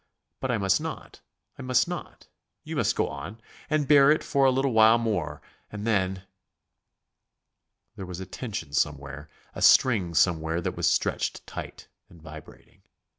But I must not; I must not. You must go on ... and bear it for a little while more and then...." There was a tension somewhere, a string somewhere that was stretched tight and vibrating.